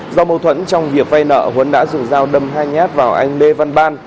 do mâu thuẫn trong việc vay nợ huấn đã dùng dao đâm hai nhát vào anh lê văn ban